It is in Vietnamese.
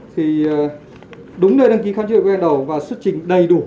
thì đúng nơi đăng ký khám chữa bệnh của ngân đầu và xuất trình đầy đủ